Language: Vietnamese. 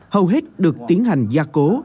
hầu hết được tiến hành gia cố